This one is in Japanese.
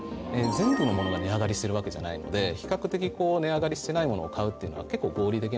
全部のモノが値上がりしてるわけじゃないので比較的値上がりしてないモノを買うっていうのは結構合理的。